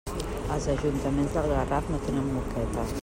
Els ajuntaments del Garraf no tenen moqueta.